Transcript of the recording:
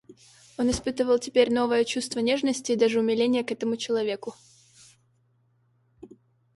Он испытывал теперь новое чувство нежности и даже умиления к этому человеку.